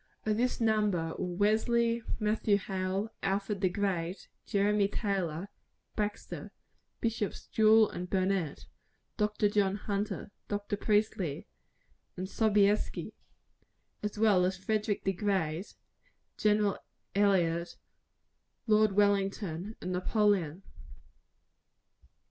Of this number were Wesley, Matthew Hale, Alfred the Great, Jeremy Taylor, Baxter, Bishops Jewel and Burnet, Dr. John Hunter, Dr. Priestly, and Sobieski as well as Frederick the Great, Gen. Elliot, Lord Wellington, and Napoleon.